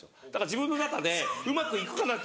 自分の中でうまくいくかな？っていう思いが。